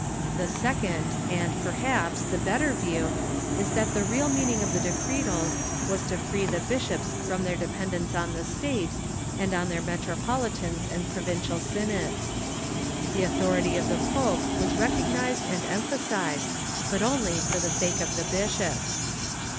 The second and, perhaps, the better view is that the real meaning of the Decretals Avas to free the bishops from their dependence on the State and on their metro politans and provincial synods. The authority of the pope was recognized and emphasized, but only for the sake of the bishop.